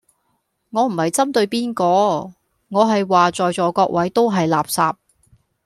我唔係針對邊個，我係話在座各位都係垃圾